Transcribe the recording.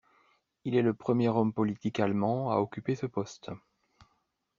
Il est le premier homme politique allemand à occuper ce poste.